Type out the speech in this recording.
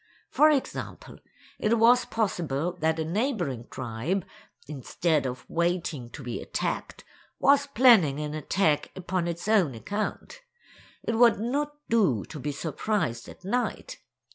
For example, it was possible that a neighboring tribe, instead of waiting to be attacked, was planning an attack upon its own account. It would not do to be surprised at night.